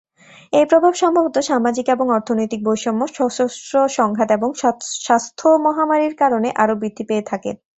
এই প্রভাব সম্ভবত সামাজিক এবং অর্থনৈতিক বৈষম্য, সশস্ত্র সংঘাত এবং স্বাস্থ্য মহামারীর কারণে আরো বৃদ্ধি পেয়ে থাকে।